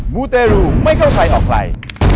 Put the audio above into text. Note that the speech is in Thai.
มูเตรูไม่เข้าใครออกใคร